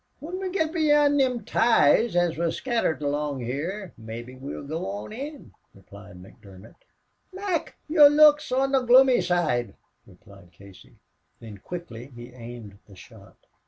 "Whin we git beyond thim ties as was scattered along here mebbe we'll go on in," remarked McDermott. "Mac, yez looks on the gloomy side," replied Casey. Then quickly he aimed the shot.